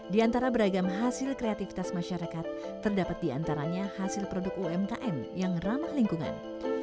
di antara beragam hasil kreativitas masyarakat terdapat di antaranya hasil produk umkm yang ramah lingkungan